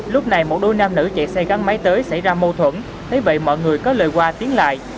lúc này một đôi nam nữ chạy xe gắn máy tới xảy ra mâu thuẫn thấy vậy mọi người có lời qua tiếng lại